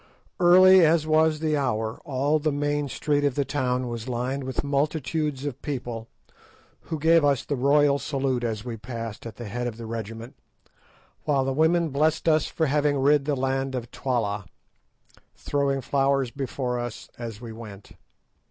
Early as was the hour, all the main street of the town was lined with multitudes of people, who gave us the royal salute as we passed at the head of the regiment, while the women blessed us for having rid the land of Twala, throwing flowers before us as we went.